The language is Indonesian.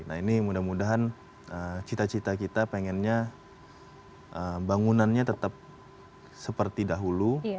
nah ini mudah mudahan cita cita kita pengennya bangunannya tetap seperti dahulu